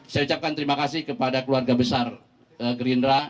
saya ucapkan terima kasih kepada keluarga besar gerindra